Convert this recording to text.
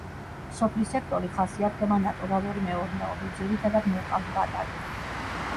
სოფლის სექტორი ხასიათდება ნატურალური მეურნეობით, ძირითადად მოჰყავთ ბატატი.